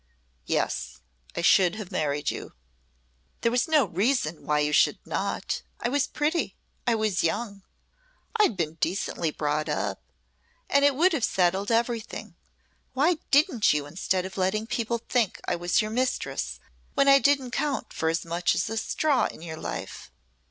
"Yes. I should have married you." "There was no reason why you should not. I was pretty. I was young. I'd been decently brought up and it would have settled everything. Why didn't you instead of letting people think I was your mistress when I didn't count for as much as a straw in your life?"